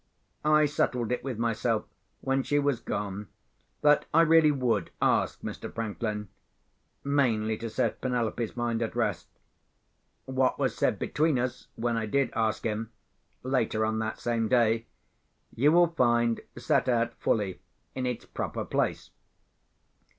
I settled it with myself, when she was gone, that I really would ask Mr. Franklin—mainly to set Penelope's mind at rest. What was said between us, when I did ask him, later on that same day, you will find set out fully in its proper place.